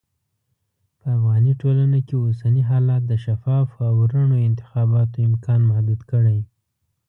په افغاني ټولنه کې اوسني حالات د شفافو او رڼو انتخاباتو امکان محدود کړی.